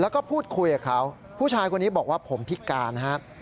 แล้วก็พูดคุยกับเขาผู้ชายคนนี้บอกว่าผมพิการครับ